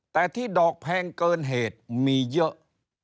แต่ที่ดอกแพงเกินเหตุมีเยอะ